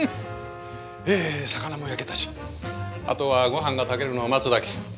え魚も焼けたしあとはごはんが炊けるのを待つだけ。